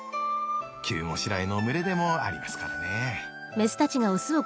急ごしらえの群れでもありますからね。